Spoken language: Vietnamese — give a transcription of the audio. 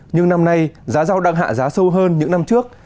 nhưng năm nay giá rau đang hạ giá sâu hơn những năm trước